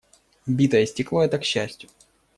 Битое стекло - это к счастью.